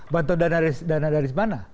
bantuan dana dari mana